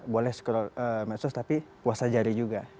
boleh sekolah medsos tapi puasa jari juga